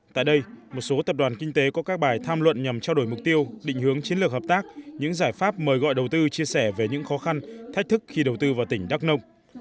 tại đây một số tập đoàn kinh tế có các bài tham luận nhằm trao đổi mục tiêu định hướng chiến lược hợp tác những giải pháp mời gọi đầu tư chia sẻ về những khó khăn thách thức khi đầu tư vào tỉnh đắk nông